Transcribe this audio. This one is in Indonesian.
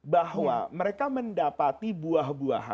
bahwa mereka mendapati buah buahan